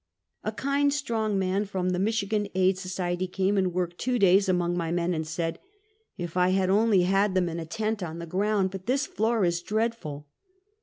A kind, strong man, from the Michigan Aid Soci ety, came and worked two days among my men, and said: " If I only had them in a tent, on the ground ; but this floor is dreadful!